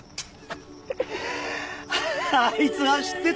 あいつは知ってたのか？